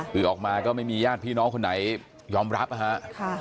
ถึงออกมาก็ไม่มีย่านพี่น้องคุณไหนยอมรับอะฮะค่ะ